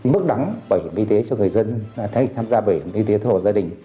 mức đắng bảo hiểm y tế cho người dân thay tham gia bảo hiểm y tế thổ gia đình